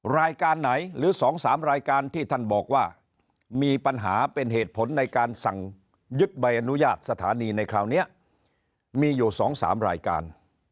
รายการไหนหรือ๒๓รายการที่ท่านบอกว่ามีปัญหาเป็นเหตุผลในการสั่งยึดใบอนุญาตสถานีในคราวนี้มีอยู่๒๓รายการ